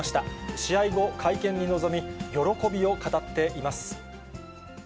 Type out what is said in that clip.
試合後、会見に臨み、喜びを語っています。